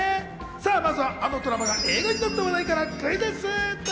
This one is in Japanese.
まずは、あのドラマが映画になった話題からクイズッス！